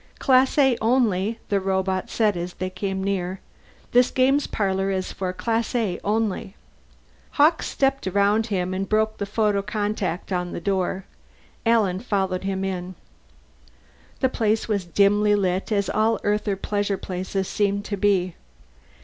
"Class A only," the robot said as they came near. "This Games Parlor is for Class A only." Hawkes stepped around him and broke the photo contact on the door. Alan followed him in. The place was dimly lit, as all Earther pleasure places seemed to be.